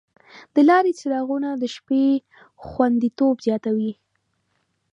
د لارې څراغونه د شپې خوندیتوب زیاتوي.